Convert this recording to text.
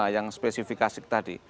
yang spesifikasik tadi